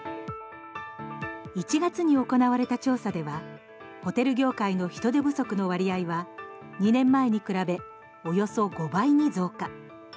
１月に行われた調査ではホテル業界の人手不足の割合は２年前に比べおよそ５倍に増加。